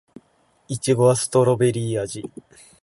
いちごはストベリー味